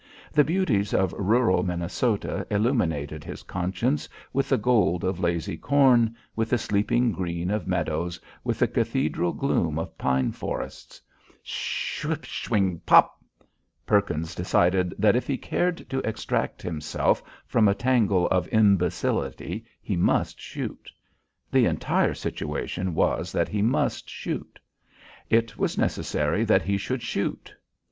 The beauties of rural Minnesota illuminated his conscience with the gold of lazy corn, with the sleeping green of meadows, with the cathedral gloom of pine forests. Sshsh swing pop! Perkins decided that if he cared to extract himself from a tangle of imbecility he must shoot. The entire situation was that he must shoot. It was necessary that he should shoot.